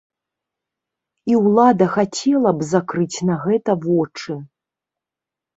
І ўлада хацела б закрыць на гэта вочы.